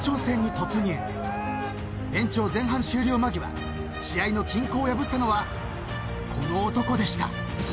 ［延長前半終了間際試合の均衡を破ったのはこの男でした］